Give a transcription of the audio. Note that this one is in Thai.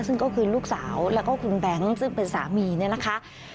ซึ่งก็คือลูกสาวแล้วก็คุณแบงค์ซึ่งเป็นสามีเนี่ยนะคะ